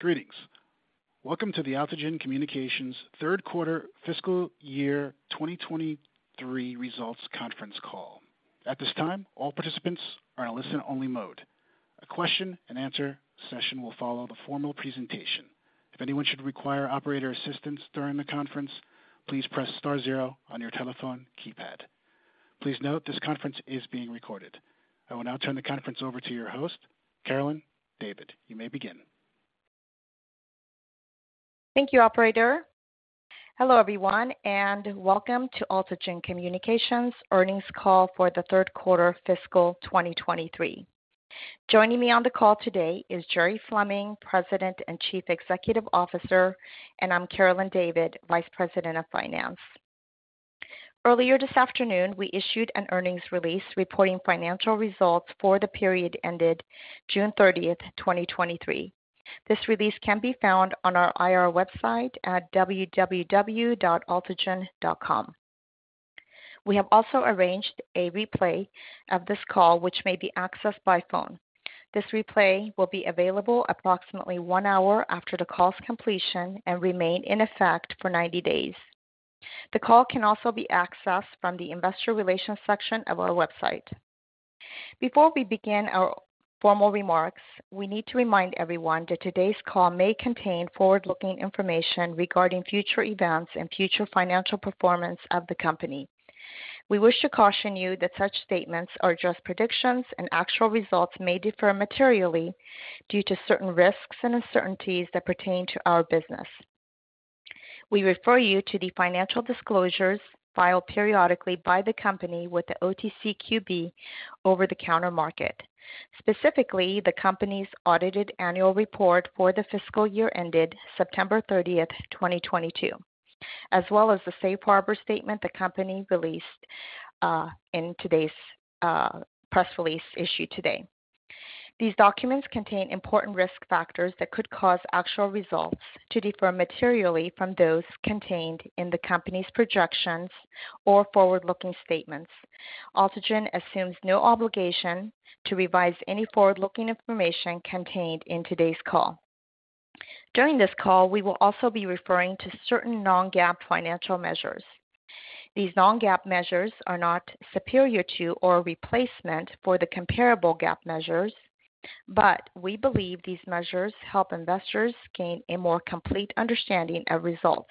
Greetings! Welcome to the AltiGen Communications third quarter fiscal year 2023 results conference call. At this time, all participants are in a listen-only mode. A question-and-answer session will follow the formal presentation. If anyone should require operator assistance during the conference, please press star zero on your telephone keypad. Please note, this conference is being recorded. I will now turn the conference over to your host, Carolyn David. You may begin. Thank you, operator. Hello, everyone, and welcome to AltiGen Communications earnings call for the third quarter fiscal 2023. Joining me on the call today is Jeremiah Fleming, President and Chief Executive Officer, and I'm Carolyn David, Vice President of Finance. Earlier this afternoon, we issued an earnings release reporting financial results for the period ended June 30, 2023. This release can be found on our IR website at www.altigen.com. We have also arranged a replay of this call, which may be accessed by phone. This replay will be available approximately one hour after the call's completion and remain in effect for 90 days. The call can also be accessed from the investor relations section of our website. Before we begin our formal remarks, we need to remind everyone that today's call may contain forward-looking information regarding future events and future financial performance of the company. We wish to caution you that such statements are just predictions, and actual results may differ materially due to certain risks and uncertainties that pertain to our business. We refer you to the financial disclosures filed periodically by the company with the OTCQB over-the-counter market, specifically the company's audited annual report for the fiscal year ended September 30, 2022, as well as the Safe Harbor statement the company released in today's press release issued today. These documents contain important risk factors that could cause actual results to differ materially from those contained in the company's projections or forward-looking statements. AltiGen assumes no obligation to revise any forward-looking information contained in today's call. During this call, we will also be referring to certain non-GAAP financial measures. These non-GAAP measures are not superior to or replacement for the comparable GAAP measures, but we believe these measures help investors gain a more complete understanding of results.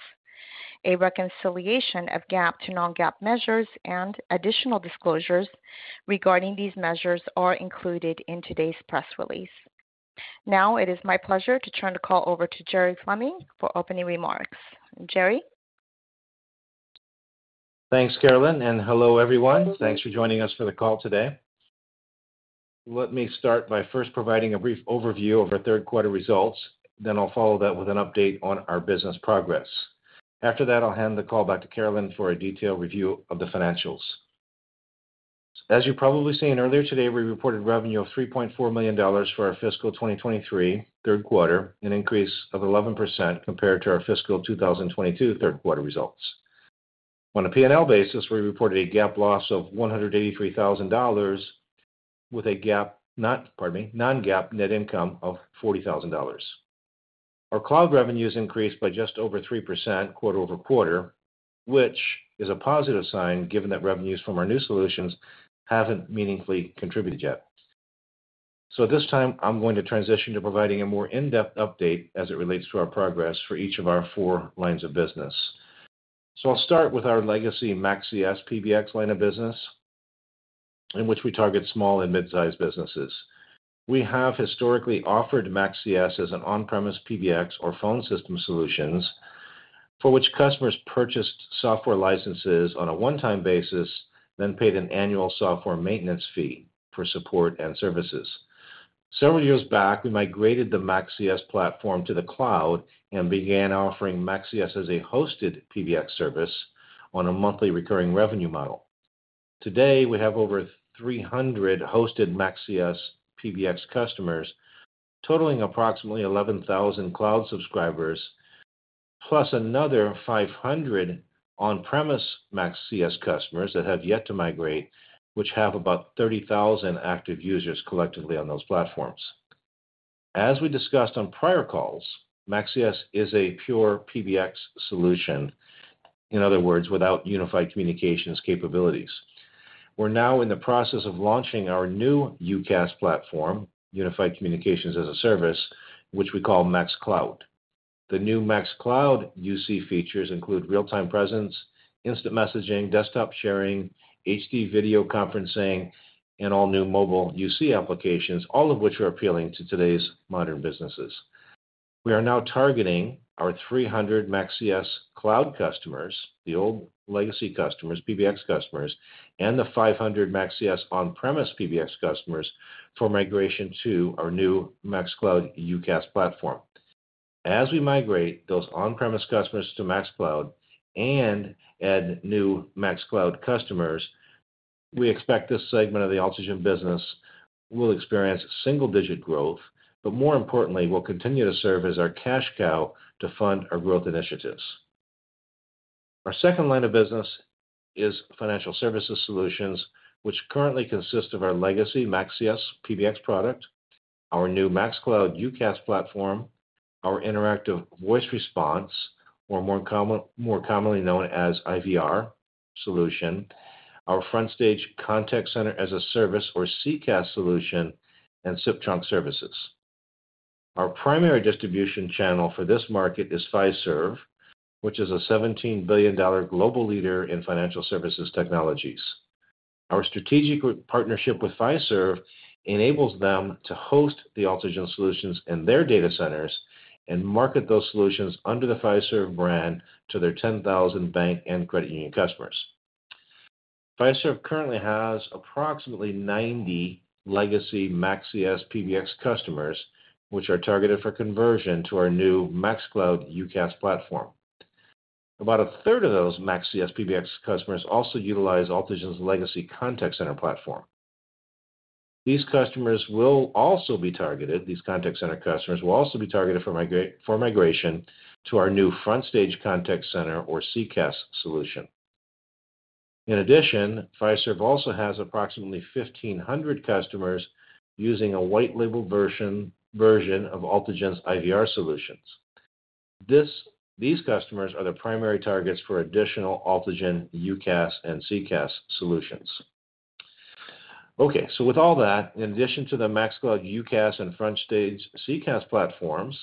A reconciliation of GAAP to non-GAAP measures and additional disclosures regarding these measures are included in today's press release. Now, it is my pleasure to turn the call over to Jeremiah Fleming for opening remarks. Jere? Thanks, Carolyn, hello, everyone. Thanks for joining us for the call today. Let me start by first providing a brief overview of our third quarter results, I'll follow that with an update on our business progress. After that, I'll hand the call back to Carolyn for a detailed review of the financials. As you've probably seen earlier today, we reported revenue of $3.4 million for our fiscal 2023 third quarter, an increase of 11% compared to our fiscal 2022 third quarter results. On a P&L basis, we reported a GAAP loss of $183,000 with a GAAP not, pardon me, non-GAAP net income of $40,000. Our cloud revenues increased by just over 3% quarter-over-quarter, which is a positive sign, given that revenues from our new solutions haven't meaningfully contributed yet. At this time, I'm going to transition to providing a more in-depth update as it relates to our progress for each of our 4 lines of business. I'll start with our legacy MaxCS PBX line of business, in which we target small and mid-sized businesses. We have historically offered MaxCS as an on-premise PBX or phone system solutions, for which customers purchased software licenses on a one-time basis, then paid an annual software maintenance fee for support and services. Several years back, we migrated the MaxCS platform to the cloud and began offering MaxCS as a hosted PBX service on a monthly recurring revenue model. Today, we have over 300 hosted MaxCS PBX customers, totaling approximately 11,000 cloud subscribers, plus another 500 on-premise MaxCS customers that have yet to migrate, which have about 30,000 active users collectively on those platforms. As we discussed on prior calls, MaxCS is a pure PBX solution, in other words, without unified communications capabilities. We're now in the process of launching our new UCaaS platform, Unified Communications as a Service, which we call MaxCloud. The new MaxCloud UC features include real-time presence, instant messaging, desktop sharing, HD video conferencing, and all-new mobile UC applications, all of which are appealing to today's modern businesses. We are now targeting our 300 MaxCS cloud customers, the old legacy customers, PBX customers, and the 500 MaxCS on-premise PBX customers for migration to our new MaxCloud UCaaS platform. As we migrate those on-premise customers to MaxCloud and add new MaxCloud customers, we expect this segment of the AltiGen business will experience single-digit growth, but more importantly, will continue to serve as our cash cow to fund our growth initiatives.... Our second line of business is financial services solutions, which currently consist of our legacy MaxCS PBX product, our new MaxCloud UCaaS platform, our interactive voice response, or more common, more commonly known as IVR solution, our FrontStage Contact Center as a Service or CCaaS solution, and SIP trunk services. Our primary distribution channel for this market is Fiserv, which is a $17 billion global leader in financial services technologies. Our strategic partnership with Fiserv enables them to host the AltiGen solutions in their data centers and market those solutions under the Fiserv brand to their 10,000 bank and credit union customers. Fiserv currently has approximately 90 legacy MaxCS PBX customers, which are targeted for conversion to our new MaxCloud UCaaS platform. About a third of those MaxCS PBX customers also utilize AltiGen's legacy contact center platform. These contact center customers will also be targeted for migration to our new FrontStage Contact Center or CCaaS solution. In addition, Fiserv also has approximately 1,500 customers using a white label version of AltiGen's IVR solutions. These customers are the primary targets for additional AltiGen, UCaaS, and CCaaS solutions. With all that, in addition to the MaxCloud UCaaS and FrontStage CCaaS platforms,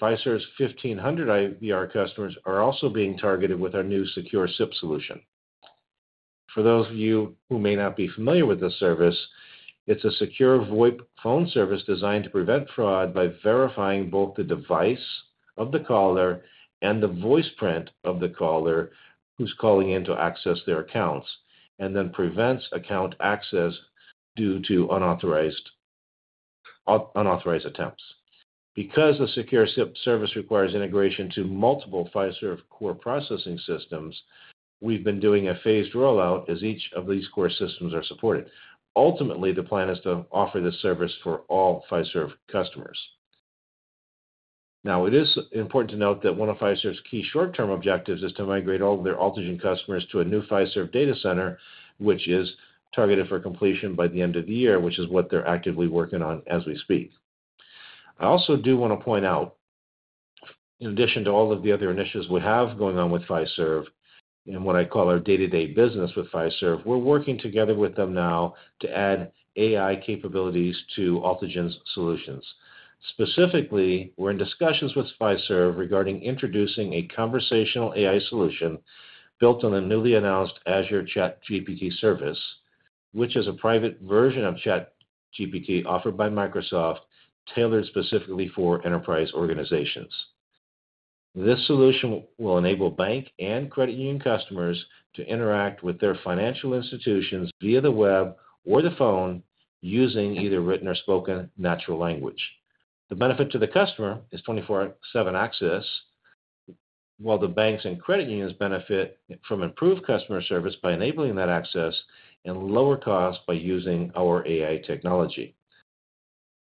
Fiserv's 1,500 IVR customers are also being targeted with our new Secure SIP solution. For those of you who may not be familiar with this service, it's a secure VoIP phone service designed to prevent fraud by verifying both the device of the caller and the voice print of the caller who's calling in to access their accounts, and then prevents account access due to unauthorized unauthorized attempts. Because the secure SIP service requires integration to multiple Fiserv core processing systems, we've been doing a phased rollout as each of these core systems are supported. Ultimately, the plan is to offer this service for all Fiserv customers. Now, it is important to note that one of Fiserv's key short-term objectives is to migrate all of their AltiGen customers to a new Fiserv data center, which is targeted for completion by the end of the year, which is what they're actively working on as we speak. I also do want to point out, in addition to all of the other initiatives we have going on with Fiserv, in what I call our day-to-day business with Fiserv, we're working together with them now to add AI capabilities to AltiGen's solutions. Specifically, we're in discussions with Fiserv regarding introducing a conversational AI solution built on a newly announced Azure ChatGPT service, which is a private version of ChatGPT offered by Microsoft, tailored specifically for enterprise organizations. This solution will enable bank and credit union customers to interact with their financial institutions via the web or the phone, using either written or spoken natural language. The benefit to the customer is 24/7 access, while the banks and credit unions benefit from improved customer service by enabling that access and lower cost by using our AI technology.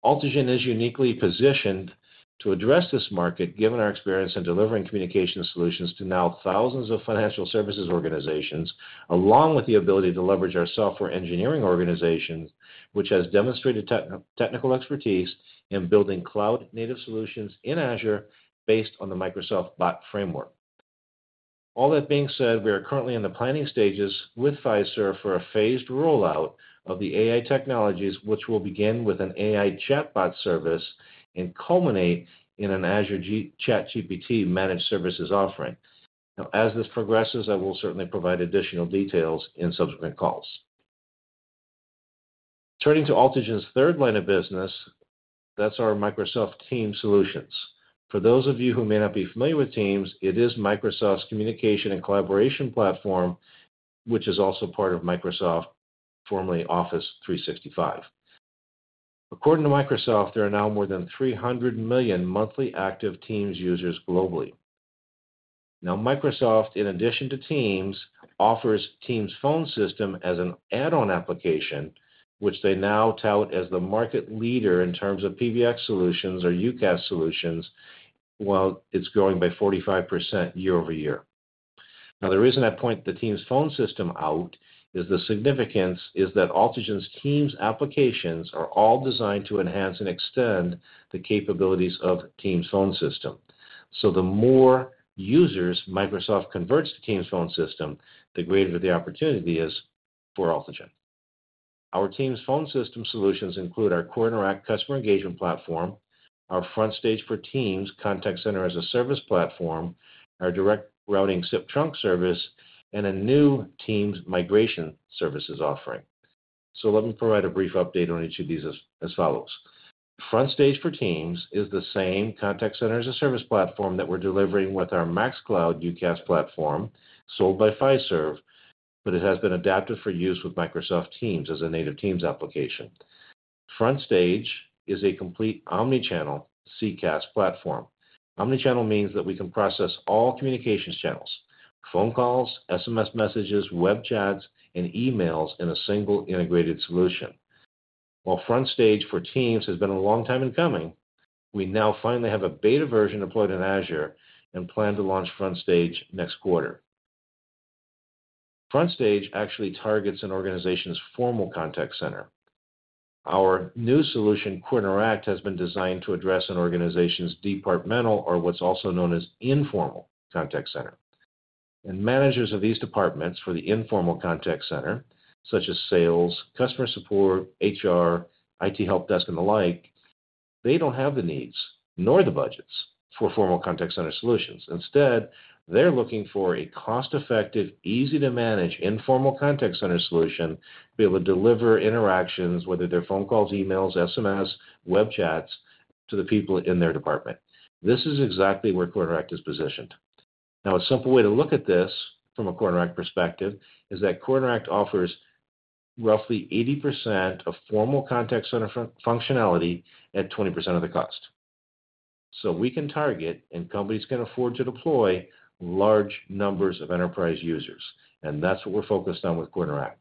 AltiGen is uniquely positioned to address this market, given our experience in delivering communication solutions to now thousands of financial services organizations, along with the ability to leverage our software engineering organization, which has demonstrated technical expertise in building cloud-native solutions in Azure based on the Microsoft Bot Framework. All that being said, we are currently in the planning stages with Fiserv for a phased rollout of the AI technologies, which will begin with an AI chatbot service and culminate in an Azure ChatGPT managed services offering. Now, as this progresses, I will certainly provide additional details in subsequent calls. Turning to AltiGen's third line of business, that's our Microsoft Teams solutions. For those of you who may not be familiar with Teams, it is Microsoft's communication and collaboration platform, which is also part of Microsoft, formerly Microsoft 365. According to Microsoft, there are now more than 300 million monthly active Teams users globally. Now, Microsoft, in addition to Teams, offers Microsoft Teams Phone as an add-on application, which they now tout as the market leader in terms of PBX solutions or UCaaS solutions, while it's growing by 45% year-over-year. The reason I point the Microsoft Teams Phone out is the significance is that AltiGen's Teams applications are all designed to enhance and extend the capabilities of Microsoft Teams Phone. The more users Microsoft converts to Microsoft Teams Phone, the greater the opportunity is for AltiGen. Our Microsoft Teams Phone solutions include our CoreInteract customer engagement platform, our FrontStage for Teams, Contact Center as a Service platform, our Direct Routing SIP trunk service, and a new Teams migration services offering. Let me provide a brief update on each of these as follows. FrontStage for Teams is the same Contact Center as a Service platform that we're delivering with our MaxCloud UCaaS platform sold by Fiserv, but it has been adapted for use with Microsoft Teams as a native Teams application. FrontStage is a complete omnichannel CCaaS platform. Omnichannel means that we can process all communications channels, phone calls, SMS, web chats, and emails in a single integrated solution. While FrontStage for Teams has been a long time in coming, we now finally have a beta version deployed in Azure and plan to launch FrontStage next quarter. FrontStage actually targets an organization's formal contact center. Our new solution, CoreInteract, has been designed to address an organization's departmental or what's also known as informal contact center. Managers of these departments for the informal contact center, such as sales, customer support, HR, IT, help desk, and the like, they don't have the needs nor the budgets for formal contact center solutions. Instead, they're looking for a cost-effective, easy-to-manage, informal contact center solution to be able to deliver interactions, whether they're phone calls, emails, SMS, web chats, to the people in their department. This is exactly where CoreInteract is positioned. Now, a simple way to look at this from a CoreInteract perspective is that CoreInteract offers roughly 80% of formal contact center functionality at 20% of the cost. We can target, and companies can afford to deploy large numbers of enterprise users, and that's what we're focused on with CoreInteract.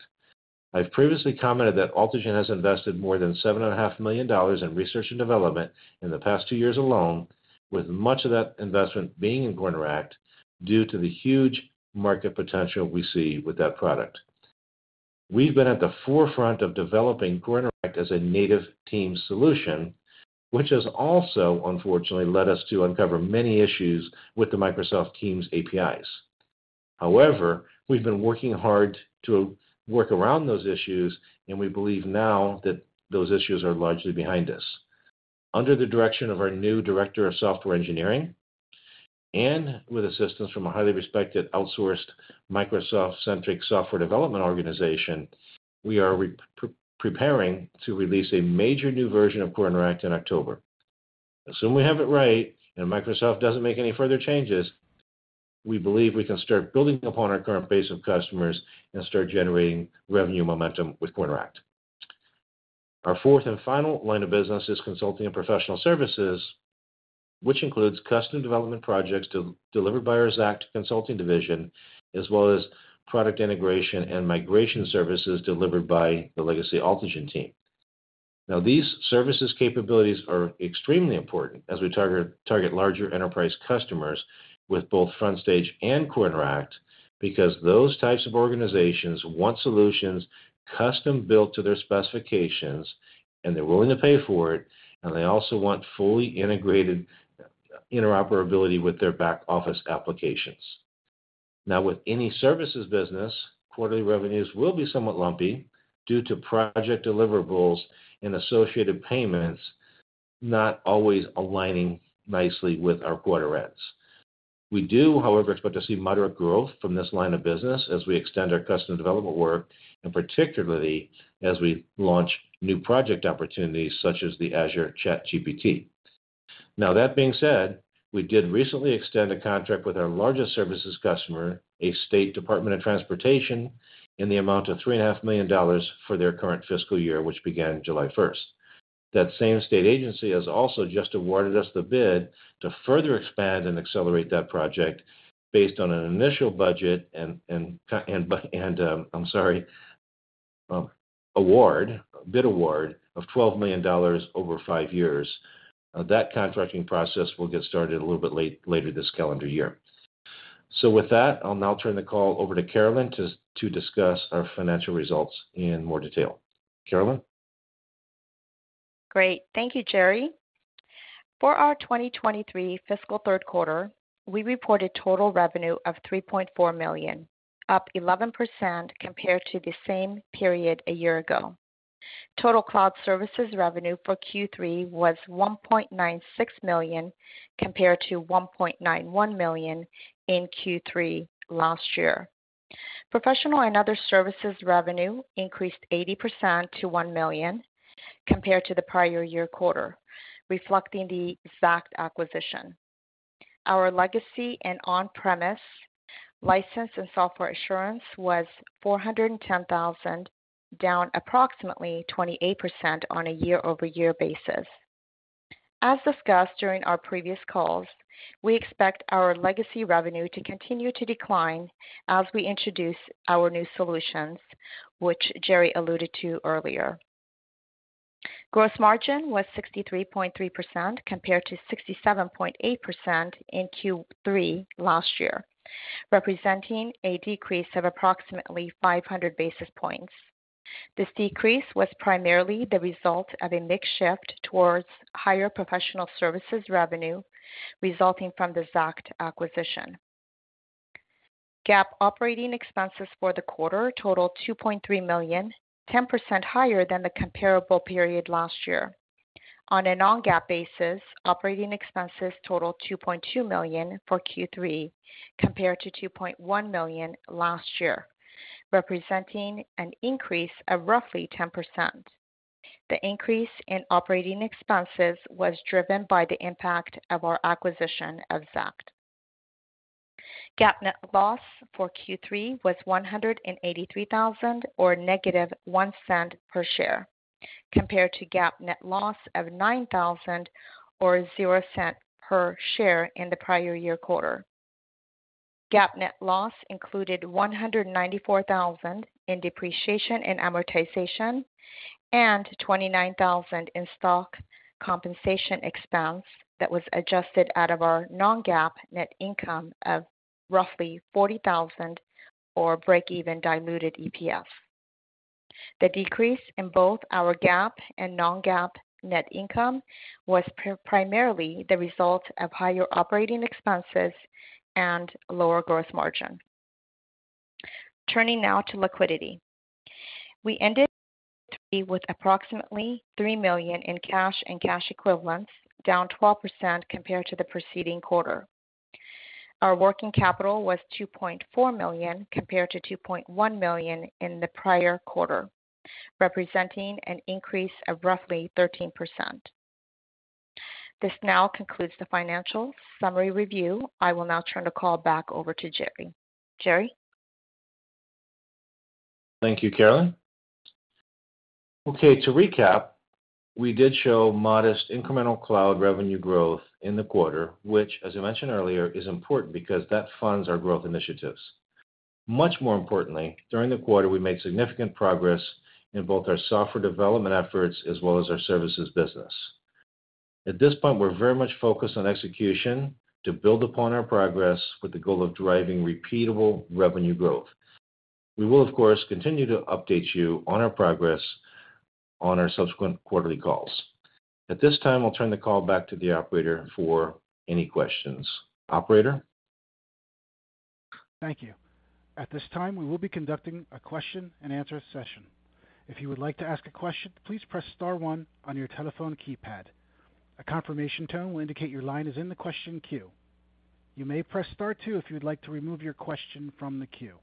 I've previously commented that AltiGen has invested more than $7.5 million in research and development in the past two years alone, with much of that investment being in CoreInteract due to the huge market potential we see with that product. We've been at the forefront of developing CoreInteract as a native Teams solution, which has also, unfortunately, led us to uncover many issues with the Microsoft Teams APIs. However, we've been working hard to work around those issues, and we believe now that those issues are largely behind us. Under the direction of our new director of software engineering, and with assistance from a highly respected, outsourced, Microsoft-centric software development organization, we are preparing to release a major new version of CoreInteract in October. Assume we have it right and Microsoft doesn't make any further changes, we believe we can start building upon our current base of customers and start generating revenue momentum with CoreInteract. Our fourth and final line of business is consulting and professional services, which includes custom development projects delivered by our ZAACT Consulting division, as well as product integration and migration services delivered by the legacy AltiGen team. These services capabilities are extremely important as we target, target larger enterprise customers with both FrontStage and CoreInteract, because those types of organizations want solutions custom-built to their specifications, and they're willing to pay for it, and they also want fully integrated interoperability with their back-office applications. With any services business, quarterly revenues will be somewhat lumpy due to project deliverables and associated payments not always aligning nicely with our quarter ends. We do, however, expect to see moderate growth from this line of business as we extend our custom development work and particularly as we launch new project opportunities such as the Azure ChatGPT. That being said, we did recently extend a contract with our largest services customer, a state Department of Transportation, in the amount of $3.5 million for their current fiscal year, which began July 1st. That same state agency has also just awarded us the bid to further expand and accelerate that project based on an initial budget and award, bid award of $12 million over five years. That contracting process will get started a little bit later this calendar year. With that, I'll now turn the call over to Carolyn to discuss our financial results in more detail. Carolyn. Great. Thank you, Jere. For our 2023 fiscal third quarter, we reported total revenue of $3.4 million, up 11% compared to the same period a year ago. Total cloud services revenue for Q3 was $1.96 million, compared to $1.91 million in Q3 last year. Professional and other services revenue increased 80% to $1 million compared to the prior year quarter, reflecting the ZAACT acquisition. Our legacy and on-premise license and software assurance was $410,000, down approximately 28% on a year-over-year basis. As discussed during our previous calls, we expect our legacy revenue to continue to decline as we introduce our new solutions, which Jere alluded to earlier. Gross margin was 63.3%, compared to 67.8% in Q3 last year, representing a decrease of approximately 500 basis points. This decrease was primarily the result of a mix shift towards higher professional services revenue, resulting from the ZAACT acquisition. GAAP operating expenses for the quarter totaled $2.3 million, 10% higher than the comparable period last year. On a non-GAAP basis, operating expenses totaled $2.2 million for Q3, compared to $2.1 million last year, representing an increase of roughly 10%. The increase in operating expenses was driven by the impact of our acquisition of ZAACT. GAAP net loss for Q3 was $183,000, or negative $0.01 per share, compared to GAAP net loss of $9,000 or $0.00 per share in the prior year quarter. GAAP net loss included $194,000 in depreciation and amortization, and $29,000 in stock compensation expense that was adjusted out of our non-GAAP net income of roughly $40,000 or break-even diluted EPS. The decrease in both our GAAP and non-GAAP net income was primarily the result of higher operating expenses and lower gross margin. Turning now to liquidity. We ended Q3 with approximately $3 million in cash and cash equivalents, down 12% compared to the preceding quarter. Our working capital was $2.4 million, compared to $2.1 million in the prior quarter, representing an increase of roughly 13%. This now concludes the financial summary review. I will now turn the call back over to Jere. Jere? Thank you, Carolyn. Okay, to recap, we did show modest incremental cloud revenue growth in the quarter, which, as I mentioned earlier, is important because that funds our growth initiatives. Much more importantly, during the quarter, we made significant progress in both our software development efforts as well as our services business. At this point, we're very much focused on execution to build upon our progress with the goal of driving repeatable revenue growth. We will, of course, continue to update you on our progress on our subsequent quarterly calls. At this time, I'll turn the call back to the operator for any questions. Operator? Thank you. At this time, we will be conducting a question-and-answer session. If you would like to ask a question, please press star one on your telephone keypad. A confirmation tone will indicate your line is in the question queue. You may press star two if you'd like to remove your question from the queue.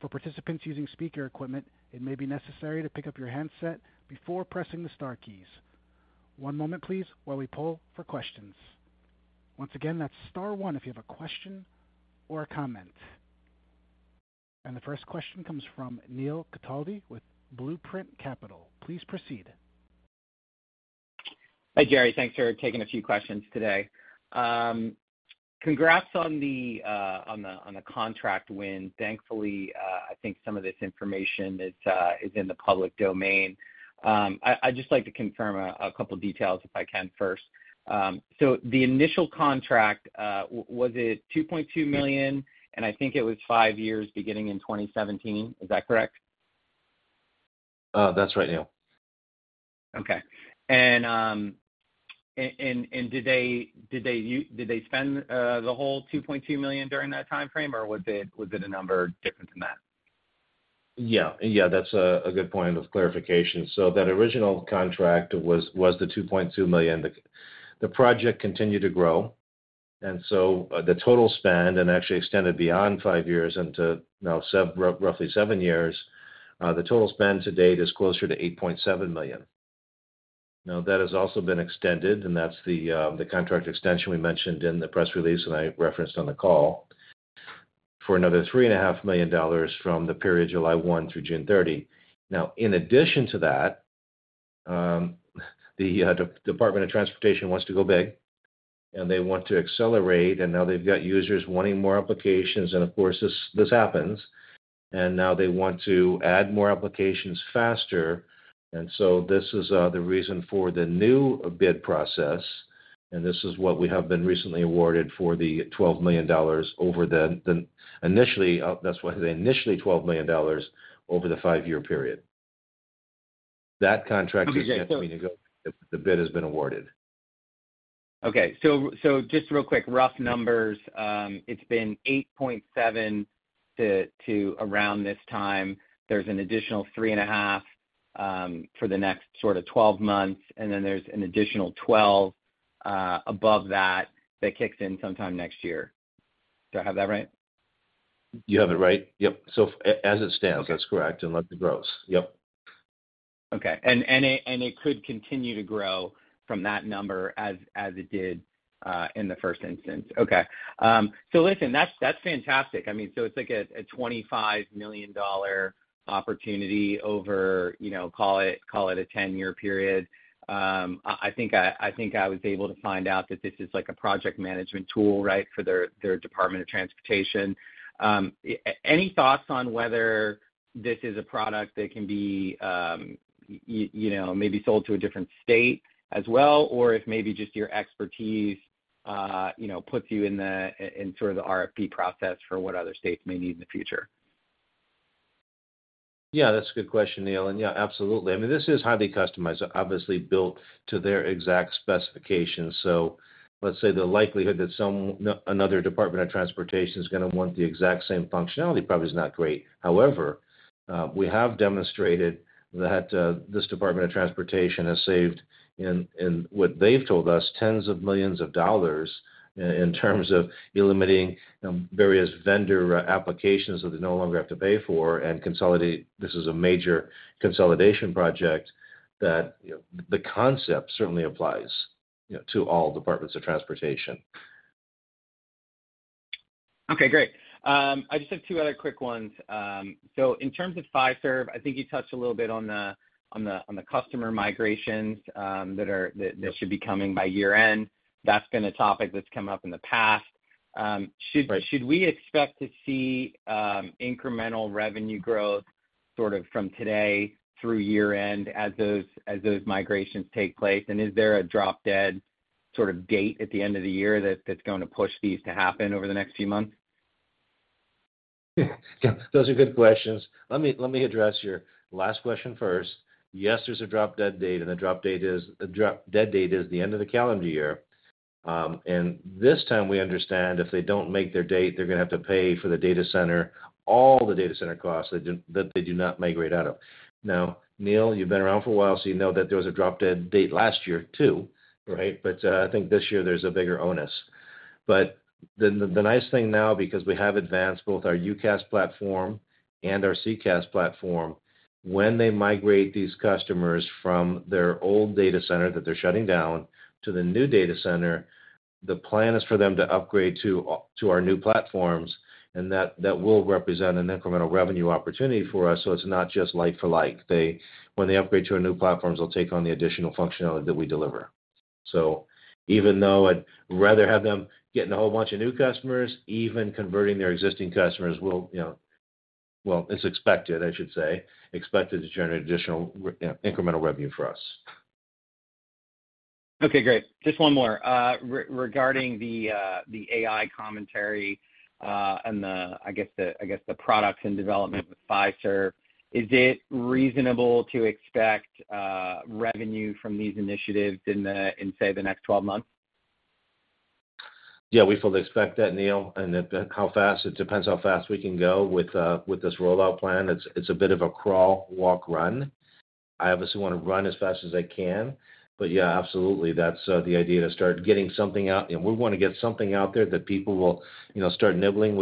For participants using speaker equipment, it may be necessary to pick up your handset before pressing the star keys. One moment please, while we poll for questions. Once again, that's star one if you have a question or a comment. The first question comes from Neil Cataldi with Blueprint Capital. Please proceed. Hi, Jere. Thanks for taking a few questions today. Congrats on the contract win. Thankfully, I think some of this information is in the public domain. I'd just like to confirm a couple details, if I can, first. The initial contract, was it $2.2 million? I think it was 5 years, beginning in 2017. Is that correct? That's right, Neil. Okay. Did they spend the whole $2.2 million during that timeframe, or was it, was it a number different than that? Yeah. Yeah, that's a, a good point of clarification. That original contract was, was the $2.2 million. The, the project continued to grow, and so the total spend, and actually extended beyond five years into now roughly seven years, the total spend to date is closer to $8.7 million. That has also been extended, and that's the, the contract extension we mentioned in the press release, and I referenced on the call, for another $3.5 million from the period July 1 through June 30. In addition to that, the Department of Transportation wants to go big, and they want to accelerate, and now they've got users wanting more applications. Of course, this, this happens, and now they want to add more applications faster. This is, the reason for the new bid process, and this is what we have been recently awarded for the $12 million over the, the initially, that's why the initially $12 million over the five-year period. That contract. Okay. The bid has been awarded. Okay. Just real quick, rough numbers. It's been $8.7 to, to around this time. There's an additional $3.5 for the next sort of 12 months, and then there's an additional $12 above that, that kicks in sometime next year. Do I have that right? You have it right. Yep. As it stands, that's correct, unless it grows. Yep. Okay. It, and it could continue to grow from that number as, as it did in the first instance. Okay. Listen, that's, that's fantastic. I mean, so it's like a, a $25 million opportunity over, you know, call it, call it a 10-year period. I, I think I, I think I was able to find out that this is like a project management tool, right, for their, their Department of Transportation. Any thoughts on whether this is a product that can be, you know, maybe sold to a different state as well, or if maybe just your expertise, you know, puts you in the, in sort of the RFP process for what other states may need in the future? Yeah, that's a good question, Neil. Yeah, absolutely. I mean, this is highly customized, obviously built to their exact specifications. Let's say the likelihood that some, another department of transportation is gonna want the exact same functionality probably is not great. However, we have demonstrated that this Department of Transportation has saved, in, in what they've told us, tens of millions of dollars in terms of eliminating various vendor applications that they no longer have to pay for and consolidate. This is a major consolidation project that, you know, the concept certainly applies, you know, to all departments of transportation. Okay, great. I just have two other quick ones. So in terms of Fiserv, I think you touched a little bit on the, on the, on the customer migrations, that are. Yes... that should be coming by year-end. That's been a topic that's come up in the past. Should we expect to see incremental revenue growth sort of from today through year-end as those migrations take place? Is there a drop-dead sort of date at the end of the year that's gonna push these to happen over the next few months? Yeah. Those are good questions. Let me, let me address your last question first. Yes, there's a drop-dead date. The drop-dead date is the end of the calendar year. This time, we understand if they don't make their date, they're gonna have to pay for the data center, all the data center costs that they, that they do not migrate out of. Neil, you've been around for a while, so you know that there was a drop-dead date last year, too, right? I think this year there's a bigger onus. The, the nice thing now, because we have advanced both our UCaaS platform and our CCaaS platform, when they migrate these customers from their old data center that they're shutting down to the new data center, the plan is for them to upgrade to our new platforms, and that, that will represent an incremental revenue opportunity for us, so it's not just like for like. When they upgrade to our new platforms, they'll take on the additional functionality that we deliver. Even though I'd rather have them getting a whole bunch of new customers, even converting their existing customers will, you know. Well, it's expected, I should say, expected to generate additional, you know, incremental revenue for us. Okay, great. Just one more. regarding the, the AI commentary, and the, I guess, the, I guess, the products in development with Fiserv, is it reasonable to expect, revenue from these initiatives in the, say, the next 12 months? Yeah, we fully expect that, Neil. The, how fast? It depends how fast we can go with this rollout plan. It's, it's a bit of a crawl, walk, run. I obviously want to run as fast as I can, but yeah, absolutely, that's the idea, to start getting something out. We wanna get something out there that people will, you know, start nibbling.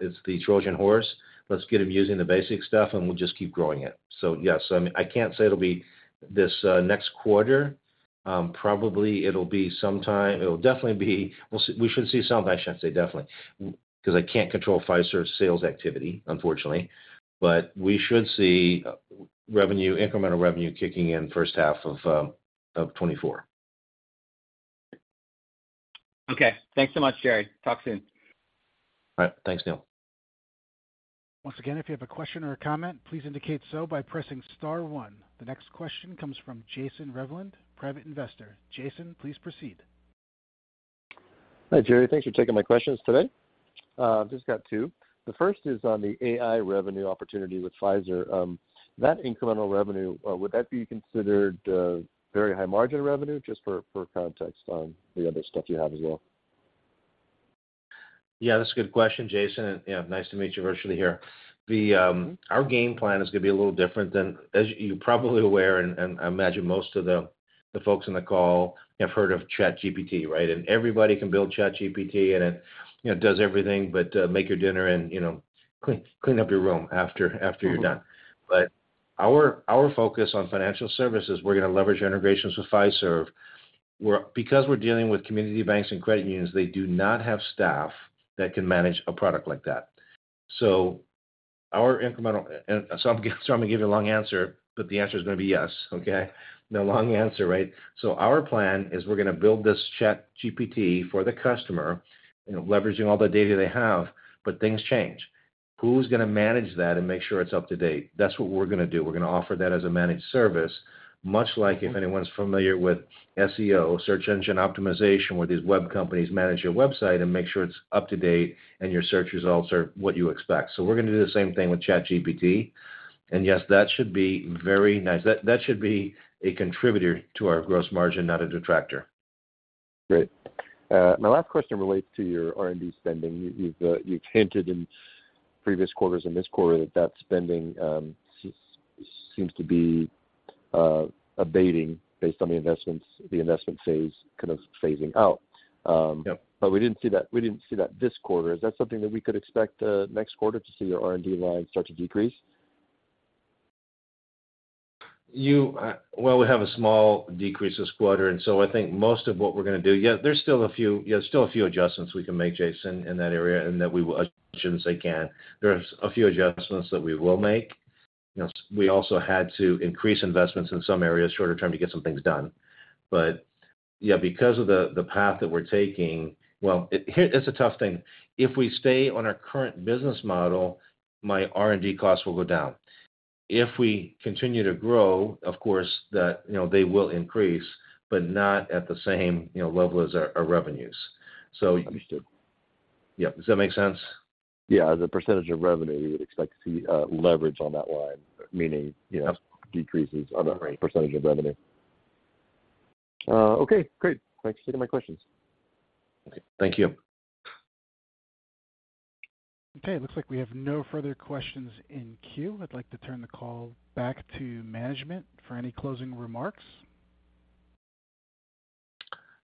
It's the Trojan horse. Let's get them using the basic stuff, and we'll just keep growing it. Yes, I mean, I can't say it'll be this next quarter. Probably, it'll be sometime... We'll see. We should see some, I should say, definitely, because I can't control Fiserv sales activity, unfortunately. We should see revenue, incremental revenue kicking in first half of 2024. Okay. Thanks so much, Jere. Talk soon. All right. Thanks, Neil. Once again, if you have a question or a comment, please indicate so by pressing star one. The next question comes from Jason Revland, private investor. Jason, please proceed. Hi, Jere. Thanks for taking my questions today. I've just got two. The first is on the AI revenue opportunity with Fiserv. That incremental revenue, would that be considered very high-margin revenue? Just for, for context on the other stuff you have as well. Yeah, that's a good question, Jason. Yeah, nice to meet you virtually here. The, our game plan is gonna be a little different than... As you're probably aware, and I imagine most of the, the folks on the call have heard of ChatGPT, right? Everybody can build ChatGPT, and it, you know, does everything but, make your dinner and, you know, clean, clean up your room after, after you're done. Mm-hmm. Our, our focus on financial services, we're gonna leverage our integrations with Fiserv, where because we're dealing with community banks and credit unions, they do not have staff that can manage a product like that. Our incremental- and so I'm, so I'm gonna give you a long answer, but the answer is gonna be yes, okay? Long answer, right? Our plan is, we're gonna build this ChatGPT for the customer, you know, leveraging all the data they have, but things change. Who's gonna manage that and make sure it's up to date? That's what we're gonna do. We're gonna offer that as a managed service, much like if anyone's familiar with SEO, search engine optimization, where these web companies manage your website and make sure it's up to date and your search results are what you expect. We're gonna do the same thing with ChatGPT, and yes, that should be very nice. That, that should be a contributor to our gross margin, not a detractor. Great. My last question relates to your R&D spending. You've, you've hinted in previous quarters and this quarter that that spending, seems, seems to be, abating based on the investments, the investment phase kind of phasing out. Yep. We didn't see that, we didn't see that this quarter. Is that something that we could expect, next quarter, to see your R&D line start to decrease? You... Well, we have a small decrease this quarter. I think most of what we're gonna do... Yeah, there's still a few, yeah, still a few adjustments we can make, Jason, in that area and that we will, I shouldn't say can. There's a few adjustments that we will make. You know, we also had to increase investments in some areas shorter term to get some things done. Yeah, because of the, the path that we're taking... Well, it, here, it's a tough thing. If we stay on our current business model, my R&D costs will go down. If we continue to grow, of course, that, you know, they will increase, but not at the same, you know, level as our, our revenues. Understood. Yep. Does that make sense? Yeah, as a % of revenue, we would expect to see leverage on that line, meaning- Yep... decreases on the percentage of revenue. okay, great. Thanks. You got my questions. Thank you. Okay, it looks like we have no further questions in queue. I'd like to turn the call back to management for any closing remarks.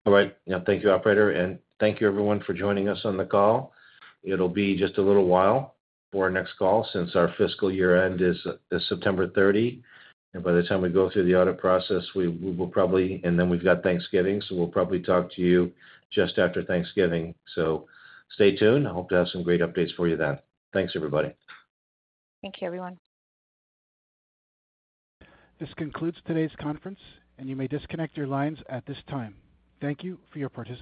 All right. Yeah, thank you, operator, and thank you everyone for joining us on the call. It'll be just a little while for our next call, since our fiscal year end is September 30. By the time we go through the audit process, and then we've got Thanksgiving, so we'll probably talk to you just after Thanksgiving. Stay tuned. I hope to have some great updates for you then. Thanks, everybody. Thank you, everyone. This concludes today's conference, and you may disconnect your lines at this time. Thank you for your participation.